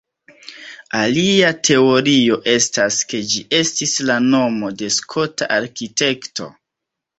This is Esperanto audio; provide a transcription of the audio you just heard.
Alia teorio estas ke ĝi estis la nomo de Skota arkitekto.